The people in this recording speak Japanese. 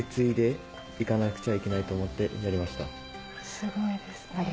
すごいですね。